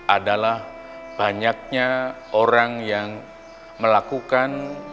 adalah banyaknya orang yang melakukan